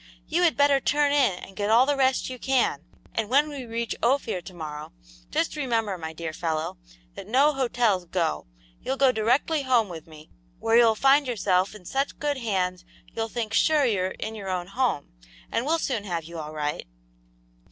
You had better turn in and get all the rest you can, and when we reach Ophir to morrow, just remember, my dear fellow, that no hotels 'go.' You'll go directly home with me, where you'll find yourself in such good hands you'll think sure you're in your own home, and we'll soon have you all right."